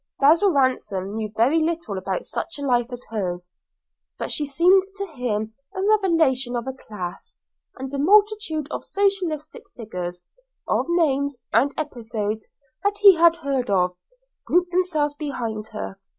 Basil Ransom knew very little about such a life as hers, but she seemed to him a revelation of a class, and a multitude of socialistic figures, of names and episodes that he had heard of, grouped themselves behind her.